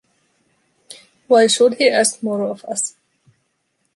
Why should he ask more of us?